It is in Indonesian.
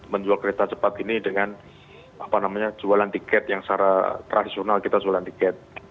menjual kereta cepat ini dengan jualan tiket yang secara tradisional kita jualan tiket